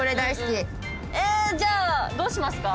えじゃあどうしますか？